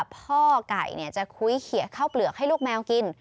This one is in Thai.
พ่อไก่จะคุยเขียข้าวเปลือกให้ลูกแมวกิน